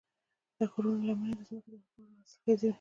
د غرونو لمنې د ځمکې لپاره حاصلخیزې وي.